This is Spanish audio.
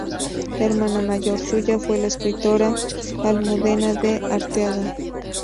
Hermana mayor suya fue la escritora Almudena de Arteaga.